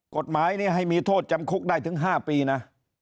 กฎหมายนี้ให้มีโทษจำคุกได้ถึง๕ปีนะ